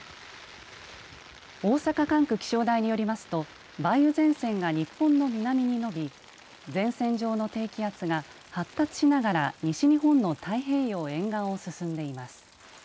大阪管区気象台によりますと梅雨前線が日本の南に伸び前線上の低気圧が発達しながら西日本の太平洋沿岸を進んでいます。